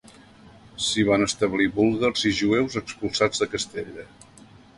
S'hi van establir búlgars i jueus expulsats de Castella.